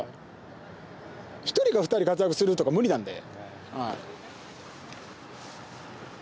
１人か２人、活躍するとか無理なので。